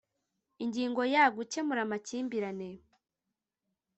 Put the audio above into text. Ingingo ya gukemura amakimbirane